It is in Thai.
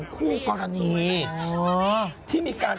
ถูกเหรอ